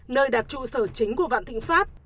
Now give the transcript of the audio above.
nơi đặt trụ sở chính của vạn thịnh pháp